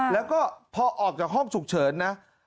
แล้วก็พอออกจากห้องฉุกเฉินนะ